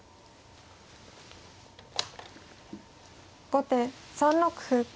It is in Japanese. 後手３六歩。